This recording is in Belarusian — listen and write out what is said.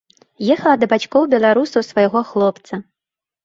Ехала да бацькоў-беларусаў свайго хлопца.